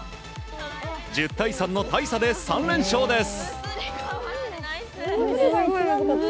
１０対３の大差で３連勝です。